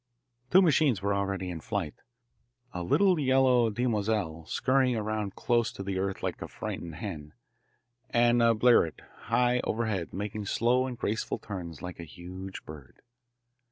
Two machines were already in flight, a little yellow Demoiselle, scurrying around close to the earth like a frightened hen, and a Bleriot, high overhead, making slow and graceful turns like a huge bird.